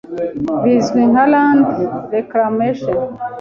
bizwi nka land reclamation